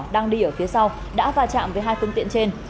đang đi ở phía sau đã va chạm với hai phương tiện trên